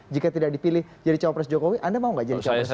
jika tidak dipilih jadi cawapres jokowi anda mau gak jadi cawapres